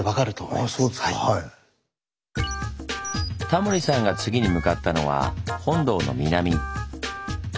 タモリさんが次に向かったのは本堂の南。